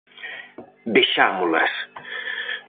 Vexámolas.